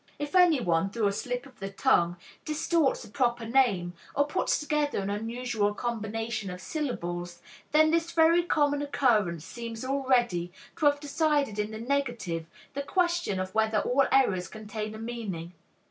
If anyone, through a slip of the tongue, distorts a proper name, or puts together an unusual combination of syllables, then this very common occurrence seems already to have decided in the negative the question of whether all errors contain a meaning.